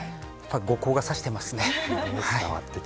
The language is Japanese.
後光が差してますね。